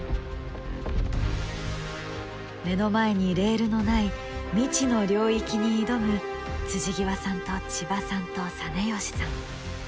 目の前にレールのない未知の領域に挑む極さんと千葉さんと實吉さん。